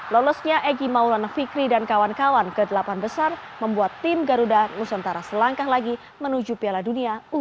lolosnya egy maulana fikri dan kawan kawan ke delapan besar membuat tim garuda nusantara selangkah lagi menuju piala dunia u dua puluh